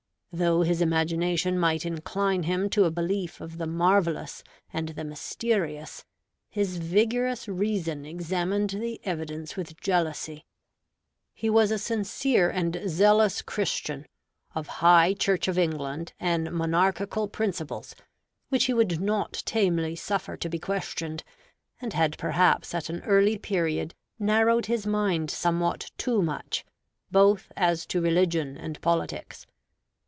Though his imagination might incline him to a belief of the marvelous and the mysterious, his vigorous reason examined the evidence with jealousy. He was a sincere and zealous Christian, of high Church of England and monarchical principles, which he would not tamely suffer to be questioned; and had perhaps at an early period narrowed his mind somewhat too much, both as to religion and politics.